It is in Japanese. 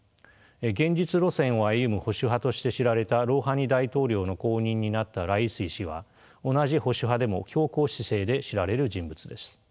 現実路線を歩む保守派として知られたロウハニ大統領の後任になったライシ師は同じ保守派でも強硬姿勢で知られる人物です。